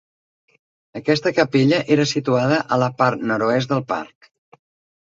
Aquesta capella era situada a la part nord-est del parc.